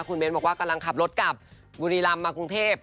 คุณเบ้นบอกว่ากำลังขับรถกลับบุรีรำมากรุงเทพ